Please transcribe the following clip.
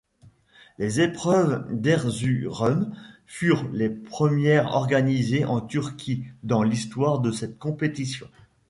Les épreuves d'Erzurum furent les premières organisées en Turquie dans l'histoire de cette compétition.